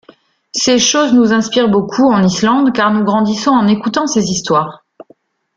Ces choses nous inspirent beaucoup, en Islande, car nous grandissons en écoutant ces histoires.